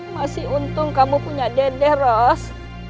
masih untung kamu punya dede ros